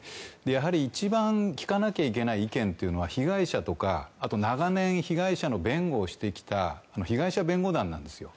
やはり一番聞かなきゃいけない意見は被害者とか長年、被害者の弁護をしてきた被害者弁護団なんですよ。